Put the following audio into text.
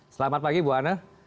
selamat pagi bu ane